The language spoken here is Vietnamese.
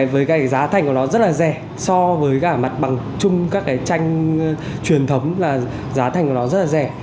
với cái giá thành của nó rất là rẻ so với cả mặt bằng chung các cái tranh truyền thống là giá thành của nó rất là rẻ